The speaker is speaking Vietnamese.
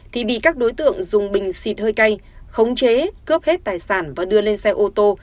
thì bị các đối tượng dùng bình xịt hơi cay khống chế cướp hết tài sản và đưa lên xe ô tô